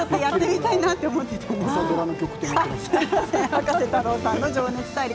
葉加瀬太郎さんの「情熱大陸」。